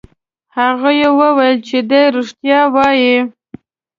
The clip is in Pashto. هغوی وویل چې دی رښتیا وایي.